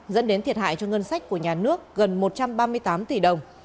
dẫn đến thiệt hại cho ngân sách của nhà nước gần một trăm ba mươi tám tỷ đồng